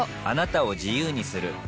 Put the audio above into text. あなたを自由にする